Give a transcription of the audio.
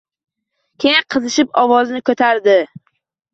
Keyin qizishib ovozini ko‘tardi